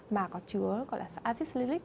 mà có chứa gọi là xà acid sililic